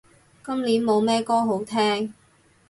今年冇咩歌好聼